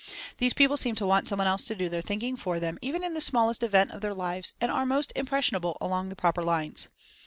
These people seem to want someone else to do their thinking for them, even in the smallest event of their lives, and are most impressionable along the proper lines.